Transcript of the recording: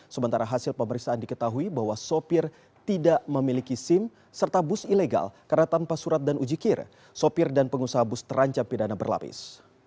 sementara hasil pemeriksaan diketahui bahwa sopir tidak memiliki sim serta bus ilegal karena tanpa surat dan ujikir sopir dan pengusaha bus terancam pidana berlapis